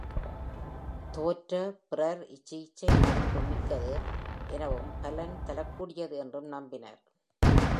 தோற்ற பிறர் இச்சிகிச்சை மதிப்பு மிக்கது எனவும் பலன் தரக்கூடியது என்றும் நம்பினர்.